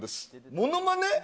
ものまね？